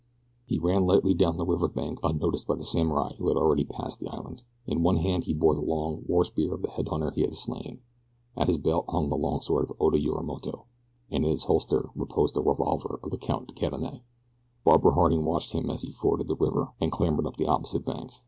He ran lightly down the river bank unnoticed by the samurai who had already passed the island. In one hand he bore the long war spear of the head hunter he had slain. At his belt hung the long sword of Oda Yorimoto, and in its holster reposed the revolver of the Count de Cadenet. Barbara Harding watched him as be forded the river, and clambered up the opposite bank.